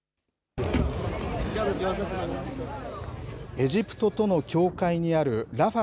エジプトとの境界にあるラファ